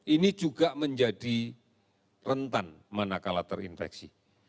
ini juga menjadi rentan mana kalah terinfeksi